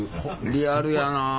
リアルやなあ。